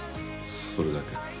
それだけ。